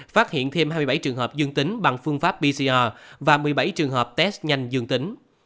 phát hiện thêm hai mươi bảy trường hợp dương tính bằng phương pháp pcr và một mươi bảy trường hợp test nhanh dương tính